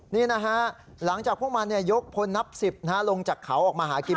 นี่นะฮะหลังจากพวกมันยกพลนับ๑๐ลงจากเขาออกมาหากิน